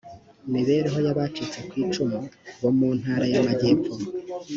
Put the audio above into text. mibereho y abacitse ku icumu bo mu ntara y amajyepfo